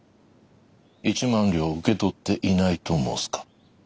１万両受け取っていないと申すか？